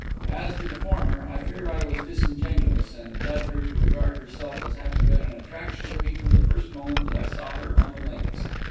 As to the former, I fear I was disingenuous, and led her to regard herself as having been an attraction to me from the first moment that I saw her on the links.